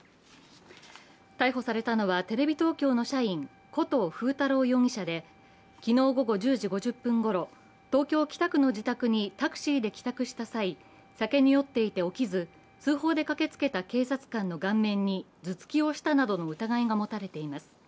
逮捕されたのはテレビ東京の社員、古東風太郎容疑者で昨日午後１０時５０分ごろ、東京・北区の自宅にタクシーで帰宅した際、酒に酔っていて起きず通報で駆けつけた警察官の顔面に頭突きをしたなどの疑いが持たれています。